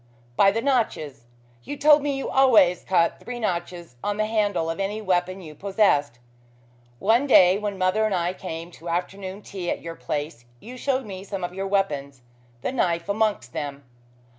"By the notches. You told me you always cut three notches on the handle of any weapon you possessed. One day when mother and I came to afternoon tea at your place you showed me some of your weapons the knife amongst them.